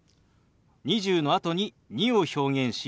「２０」のあとに「２」を表現し「２２」。